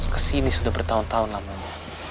kesini sudah bertahun tahun namanya